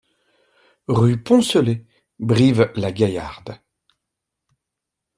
Rue Poncelet, Brive-la-Gaillarde